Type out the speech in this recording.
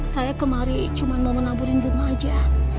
saya kemari cuma mau menaburin bunga aja